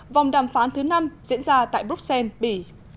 vòng đàm phán thứ năm diễn ra tại bruxelles bỉ